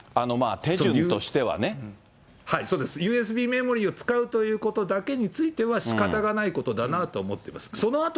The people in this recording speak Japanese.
ＵＳＢメモリを使うということだけについては、しかたがないことだなと思ってます。